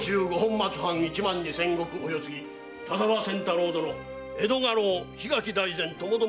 藩一万二千石お世継ぎ田沢千太郎殿江戸家老・桧垣大膳共々